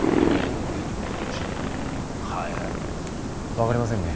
分かりませんね